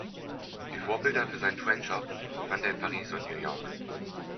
Die Vorbilder für seinen „twen shop“ fand er in Paris und New York.